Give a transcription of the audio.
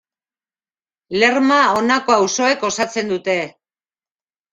Lerma honako auzoek osatzen dute.